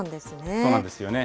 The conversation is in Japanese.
そうなんですよね。